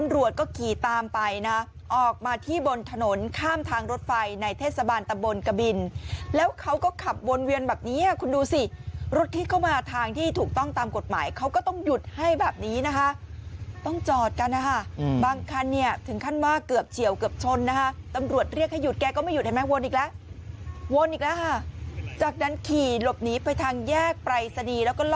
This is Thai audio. รถไฟในเทศบาลตะบนกบินแล้วเขาก็ขับวนเวียนแบบนี้คุณดูสิรถที่เข้ามาทางที่ถูกต้องตามกฎหมายเขาก็ต้องหยุดให้แบบนี้นะคะต้องจอดกันนะฮะบางคันเนี่ยถึงขั้นมาเกือบเฉียวเกือบชนนะฮะตำรวจเรียกให้หยุดแกก็ไม่หยุดเห็นมั้ยวนอีกแล้ววนอีกแล้วฮะจากนั้นขี่หลบหนีไปทางแยกไปรสดีแล้วก็